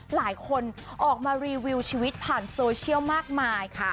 หลายคนออกมารีวิวชีวิตผ่านโซเชียลมากมายค่ะ